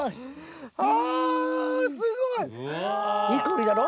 あぁすごい！いい香りだろ？